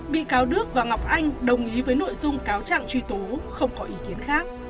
bị cáo đức và ngọc anh đồng ý với nội dung cáo trạng truy tố không có ý kiến khác